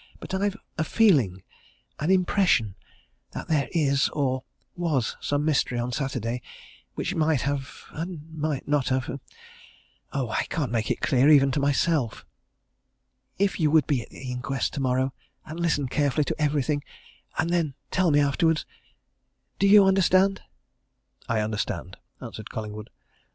But I've a feeling an impression that there is or was some mystery on Saturday which might have and might not have oh, I can't make it clear, even to myself. "If you would be at the inquest tomorrow, and listen carefully to everything and then tell me afterwards do you understand?" "I understand," answered Collingwood.